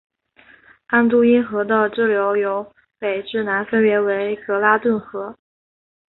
安都因河的支流由北至南分别有格拉顿河。